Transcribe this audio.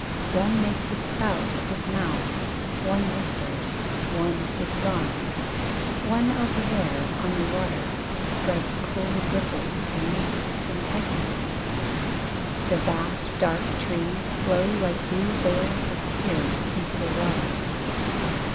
One makes a spout of his mouth, One whispers one is gone. One over there on the water Spreads cold ripples For me Enticingly. The vast dark trees Flow like blue veils Of tears Into the water.